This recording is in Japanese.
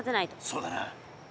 そうだな。